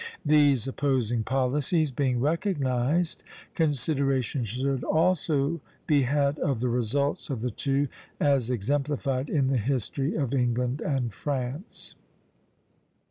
These opposing policies being recognized, consideration should also be had of the results of the two as exemplified in the history of England and France.